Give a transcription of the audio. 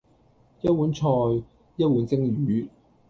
一碗菜，一碗蒸魚；